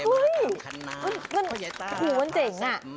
อุ้ยมันมันมันเหมือนเจ๋งน่ะ